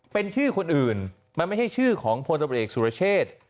เป็นชื่อคนอื่นมันไม่ใช่ชื่อของพลตำรวจเอกสุรเชษ